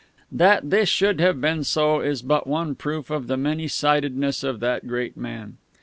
That this should have been so is but one proof of the many sidedness of that great man.